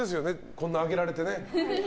こんな、あげられてね。